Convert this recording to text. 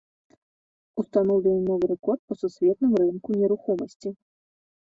Устаноўлены новы рэкорд на сусветным рынку нерухомасці.